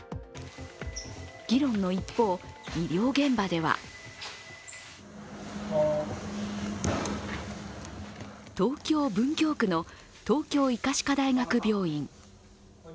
議論の一方、医療現場では東京・文京区の東京医科歯科大学病院。